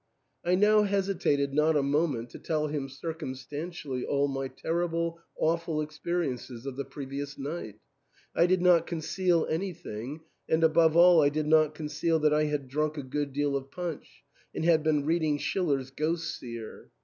" I now hesitated not a moment to tell him circumstantially all my terrible, awful experi ences of the previous night I did not conceal anything, and above all I did not conceal that I had drunk a good deal of punch, and had been reading Schiller's " Ghost seer."